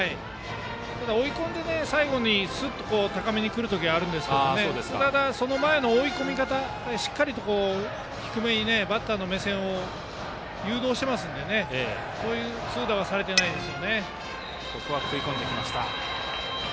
ただ追い込んで最後に高めに来るところがあるんですがその前の追い込み方しっかりと低めにバッターの目線を誘導していますのでそういう痛打はされていないです。